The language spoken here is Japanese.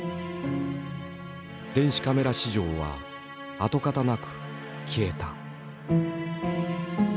電子カメラ市場は跡形なく消えた。